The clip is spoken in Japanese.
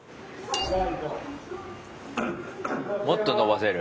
もっと延ばせる？